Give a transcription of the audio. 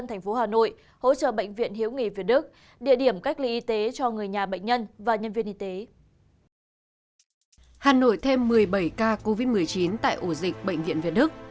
hà nội thêm một mươi bảy ca covid một mươi chín tại ổ dịch bệnh viện việt đức